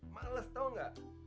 males tau gak